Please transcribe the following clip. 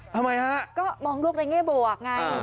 ทำไมฮะก็มองลูกในเงียบบวกงั้น